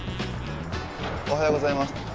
おはようございます。